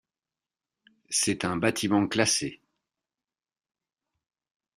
C'est un bâtiment classé.